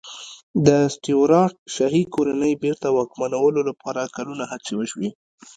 د سټیوراټ شاهي کورنۍ بېرته واکمنولو لپاره کلونه هڅې وشوې.